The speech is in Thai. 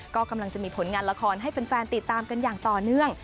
ก็กำลังจะมีผลงานละครให้แฟนติดตามกันอย่างต่อเนื่อง